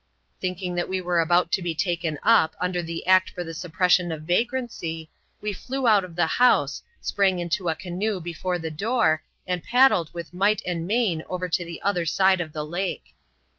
Thinking that we were about to be taken up under the act for the suppression of vagrancy, we flew out of the house, sprang into a canoe before the door, and paddled with might and main over to the opposite side of the lake.